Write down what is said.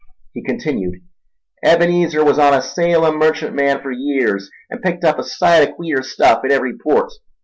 He continued. "Ebenezer was on a Salem merchantman for years, an' picked up a sight o' queer stuff in every port.